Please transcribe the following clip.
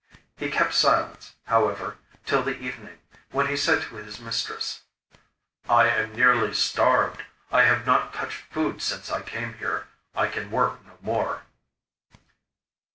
He kept silence, however, till the evening, when he said to his mistress: 'I am nearly starved; I have not touched food since I came here. I can work no more.